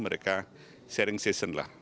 mereka sharing session lah